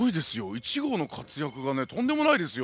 １号の活躍がねとんでもないですよ。